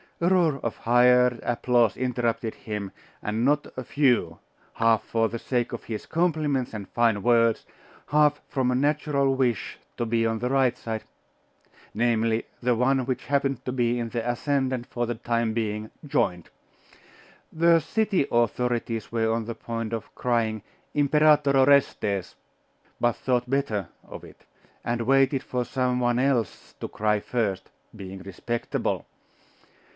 A roar of hired applause interrupted him and not a few, half for the sake of his compliments and fine words, half from a natural wish to be on the right side namely, the one which happened to be in the ascendant for the time being joined.... The city authorities were on the point of crying, 'Imperator Orestes,' but thought better of it; and waited for some one else to cry first being respectable.